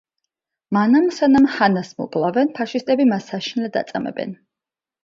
მანამ სანამ ჰანას მოკლავენ ფაშისტები მას საშინლად აწამებენ.